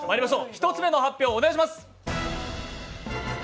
１つ目の発表、お願いします。